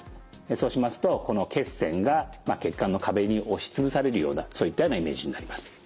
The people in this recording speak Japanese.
そうしますとこの血栓が血管の壁に押し潰されるようなそういったようなイメージになります。